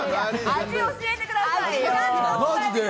味を教えてください。